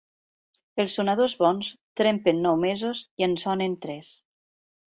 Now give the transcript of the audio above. Els sonadors bons trempen nou mesos i en sonen tres.